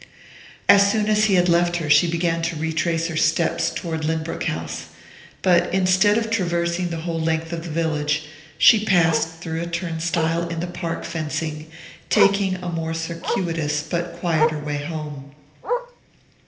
As soon as he had left her she began to retrace her steps toward Lynbrook House; but instead of traversing the whole length of the village she passed through a turnstile in the park fencing, taking a more circuitous but quieter way home.